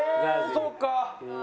そっか。